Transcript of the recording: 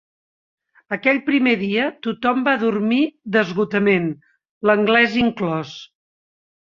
Aquell primer dia, tothom va dormir d'esgotament, l'anglès inclòs.